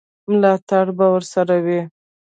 ملاتړ به ورسره وي.